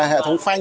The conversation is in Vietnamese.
hệ thống phanh